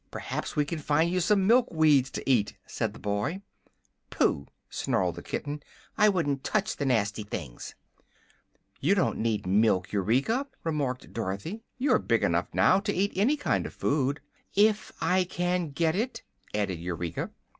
perhaps we can find you some milk weeds to eat," said the boy. "Phoo!" snarled the kitten; "I wouldn't touch the nasty things!" "You don't need milk, Eureka," remarked Dorothy; "you are big enough now to eat any kind of food." "If I can get it," added Eureka.